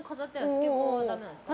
スケボーはだめなんですか？